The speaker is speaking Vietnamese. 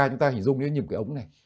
chúng ta hình dung như những cái ống này